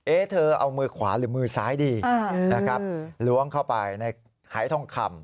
เธอเอามือขวาหรือมือซ้ายดีนะครับล้วงเข้าไปในหายทองคำ